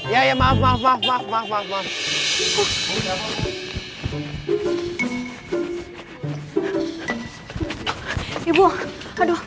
dan menikah kanan bunga narang